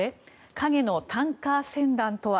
影のタンカー船団とは。